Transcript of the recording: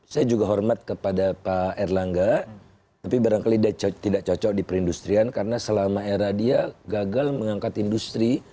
saya juga hormat kepada pak erlangga tapi barangkali tidak cocok di perindustrian karena selama era dia gagal mengangkat industri